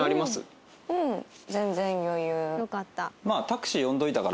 よかった。